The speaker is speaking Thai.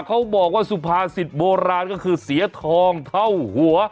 เขาบอกว่าสุภาษิตโบราณก็คือเสียทองเท่าหัว